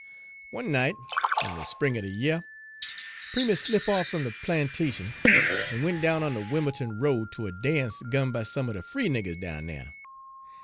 "One night in de spring er de year, Primus slip' off fum de plantation, en went down on de Wim'l'ton Road ter a dance gun by some er de free niggers down dere.